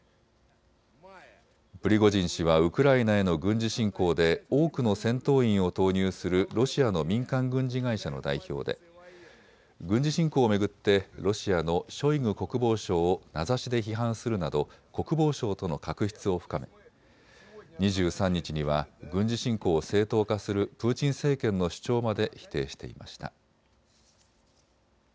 プリゴジン氏はウクライナへの軍事侵攻で多くの戦闘員を投入するロシアの民間軍事会社の代表で軍事侵攻を巡ってロシアのショイグ国防相を名指しで批判するなど国防省との確執を深め、２３日には軍事侵攻を正当化するプーチン政権の主張まで否定していました。